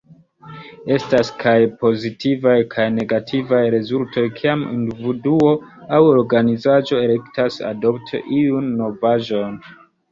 Estas kaj pozitivaj kaj negativaj rezultoj kiam individuo aŭ organizaĵo elektas adopti iun novaĵon.